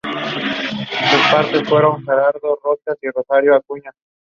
Identificado con el partido federal porteño, era un seguidor del gobernador Manuel Dorrego.